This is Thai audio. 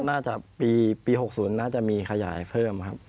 น่าจะปี๖๐น่าจะมีขยายเพิ่มครับ